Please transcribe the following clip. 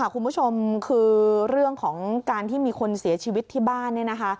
คุณผู้ชมคือเรื่องของการที่มีคนเสียชีวิตที่บ้านเนี่ยนะคะ